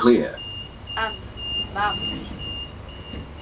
Anda, vamos.